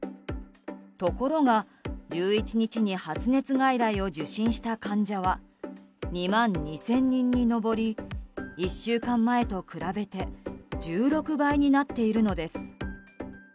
ところが、１１日に発熱外来を受診した患者は２万２０００人に上り１週間前と比べて１６倍になっているのです。